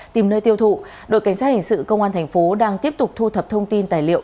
tìm nơi tiêu thụ đội cảnh sát hình sự công an thành phố đang tiếp tục thu thập thông tin tài liệu